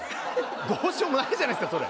どうしようもないじゃないですかそれ。